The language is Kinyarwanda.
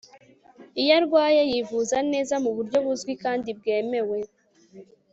iyo arwaye yivuza neza mu buryo buzwi kandi bwemewe